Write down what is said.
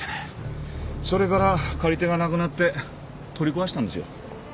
それから借り手がなくなって取り壊したんですよ。